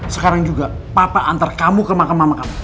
sekarang juga papa antar kamu ke mahkamah mahkamah